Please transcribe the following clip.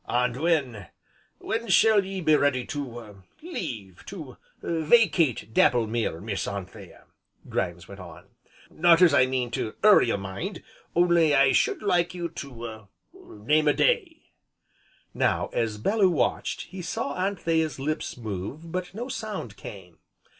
"And when when shall ye be ready to leave, to vacate Dapplemere, Miss Anthea?" Grimes went on. "Not as I mean to 'urry you, mind, only I should like you to name a day." Now, as Bellew watched, he saw Anthea's lips move, but no sound came.